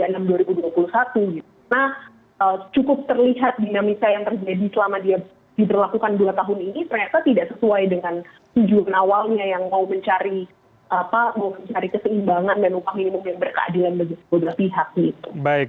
nah cukup terlihat dinamika yang terjadi selama dia diperlakukan dua tahun ini ternyata tidak sesuai dengan tujuan awalnya yang mau mencari keseimbangan dan upang ini mungkin berkeadilan bagi sebuah pihak